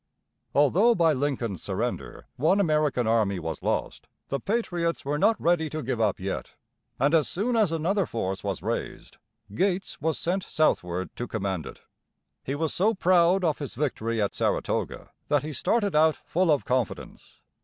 Although by Lincoln's surrender one American army was lost, the patriots were not ready to give up yet, and as soon as another force was raised, Gates was sent southward to command it. He was so proud of his victory at Saratoga that he started out full of confidence.